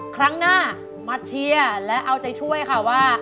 ครั้งหน้ามาเชียร์และเอาใจช่วยค่ะว่า